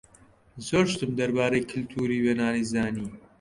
زۆر شتم دەربارەی کولتووری یۆنانی زانی.